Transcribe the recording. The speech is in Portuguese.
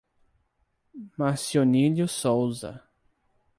Marcionílio Souza